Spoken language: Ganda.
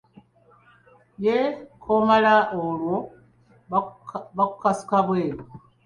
"Ye k’omala olwawo, bakukasuka ebweru."